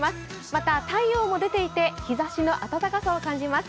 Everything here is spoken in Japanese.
また太陽も出ていて、日ざしの暖かさを感じます。